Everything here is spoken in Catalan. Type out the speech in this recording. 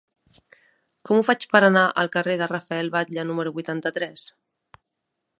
Com ho faig per anar al carrer de Rafael Batlle número vuitanta-tres?